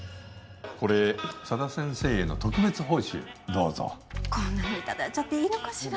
これ佐田先生への特別報酬どうぞこんなのいただいちゃっていいのかしら？